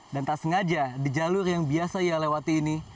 dan tak sengaja di jalur yang biasa ia lewati ini